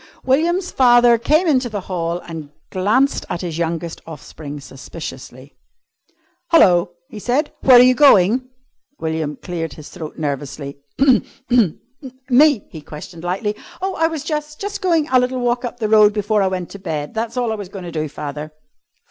William's father came into the hall and glanced at his youngest offspring suspiciously. "Hello!" he said, "where are you going?" William cleared his throat nervously. "Me?" he questioned lightly. "Oh, I was jus' jus' goin' a little walk up the road before I went to bed. That's all I was goin' to do, father."